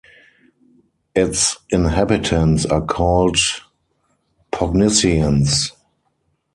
Its inhabitants are called "Pognissiens".